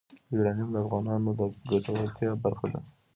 یورانیم د افغانانو د ګټورتیا برخه ده.